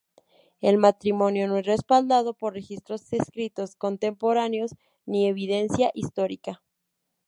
El matrimonio no es respaldado por registros escritos contemporáneos ni evidencia histórica.